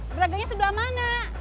braganya sebelah mana